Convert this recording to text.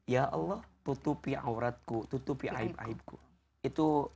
ya allah tutupi auratku tutupi aib aibku